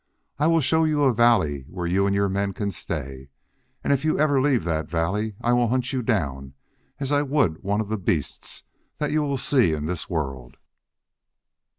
I will show you a valley where you and your men can stay. And if ever you leave that valley I will hunt you down as I would one of the beasts that you will see in this world."